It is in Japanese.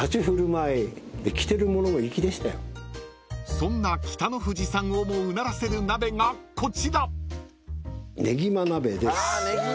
［そんな北の富士さんをもうならせる鍋がこちら］